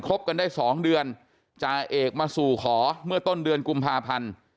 บกันได้สองเดือนจ่าเอกมาสู่ขอเมื่อต้นเดือนกุมภาพันธ์